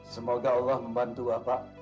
semoga allah membantu bapak